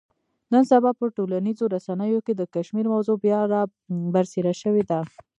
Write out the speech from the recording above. نن سبا په ټولنیزو رسنیو کې د کشمیر موضوع بیا را برسېره شوې ده.